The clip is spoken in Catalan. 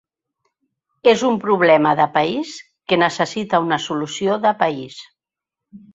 És un problema de país que necessita una solució de país.